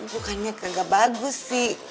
bukannya gak bagus sih